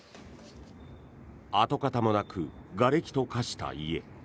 跡形もなくがれきと化した家。